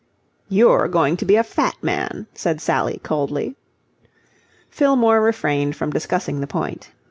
"You're going to be a fat man," said Sally, coldly. Fillmore refrained from discussing the point.